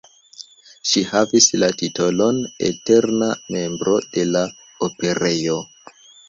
Ŝi havis la titolon eterna membro de la Operejo.